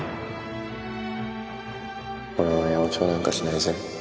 俺は八百長なんかしないぜ。